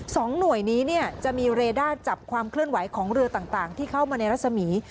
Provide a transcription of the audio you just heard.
หน่วยนี้เนี่ยจะมีเรด้าจับความเคลื่อนไหวของเรือต่างที่เข้ามาในรัศมี